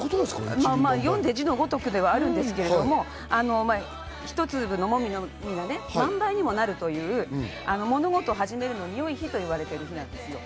読んで字のごとくなんですが、一粒の重みが万倍にもなるという物事を始めるには良い日とされている日なんですよ。